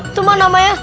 itu mah namanya